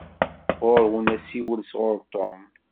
Ɣuṛ-wen asiwel sɣuṛ Tom.